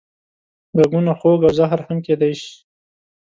غږونه خوږ او زهر هم کېدای شي